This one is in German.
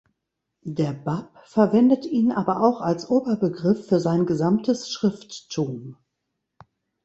Der Bab verwendet ihn aber auch als Oberbegriff für sein gesamtes Schrifttum.